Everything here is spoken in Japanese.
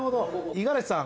五十嵐さん